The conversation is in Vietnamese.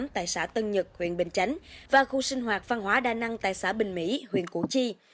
một nghìn chín trăm sáu mươi tám tại xã tân nhật huyện bình chánh và khu sinh hoạt văn hóa đa năng tại xã bình mỹ huyện củ chi